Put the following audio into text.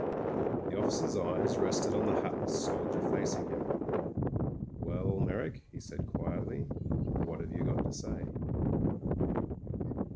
The officer's eyes rested on the hatless soldier fac ing him. "Well, Meyrick," he said quietly, "what have you got to say